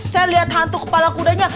saya lihat hantu kepala kudanya